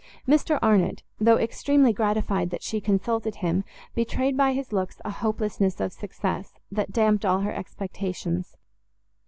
Mr Arnott, though extremely gratified that she consulted him, betrayed by his looks a hopelessness of success, that damped all her expectations.